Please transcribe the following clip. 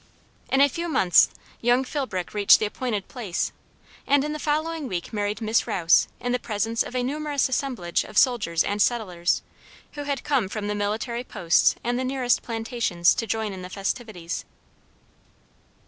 In a few months young Philbrick reached the appointed place, and in the following week married Miss Rouse in the presence of a numerous assemblage of soldiers and settlers, who had come from the military posts and the nearest plantations to join in the festivities.